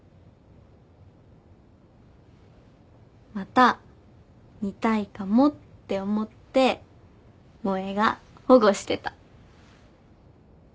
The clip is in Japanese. また見たいかもって思って萌が保護してた。